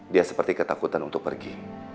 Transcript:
dia seperti ketakutan untuk pergi